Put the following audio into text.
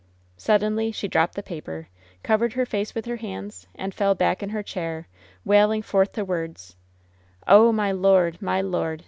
Suddenly she dropped the paper, covered her face with her hands, and fell back in her chair, wailing forth the words: "Oh, my Lord! my Lord!